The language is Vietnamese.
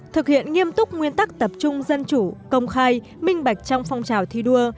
thực hiện nghiêm túc nguyên tắc tập trung dân chủ công khai minh bạch trong phong trào thi đua